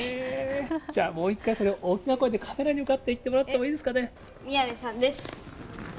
じゃあもう一回、それを大きな声で、カメラに向かって言ってもらってもいいですかね？